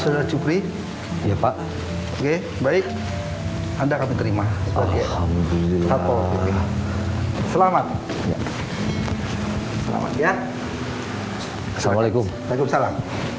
sudah cukup iya pak oke baik anda akan terima selamat selamat ya assalamualaikum waalaikumsalam